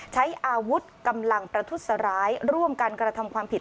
ใช้อาวุธกำลังประทุษร้ายร่วมกันกระทำความผิด